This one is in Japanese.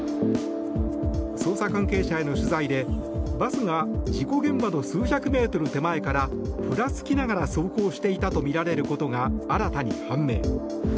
捜査関係者への取材で、バスが事故現場の数百メートル手前からふらつきながら走行していたとみられることが新たに判明。